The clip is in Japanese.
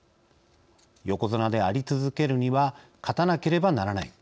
横綱であり続けるには勝たなければならない。